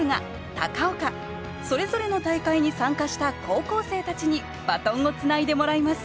高岡それぞれの大会に参加した高校生たちにバトンをつないでもらいます。